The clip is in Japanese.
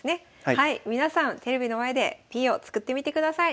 はい皆さんテレビの前でＰを作ってみてください。